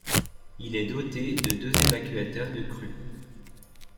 Il est doté de deux évacuateurs de crue.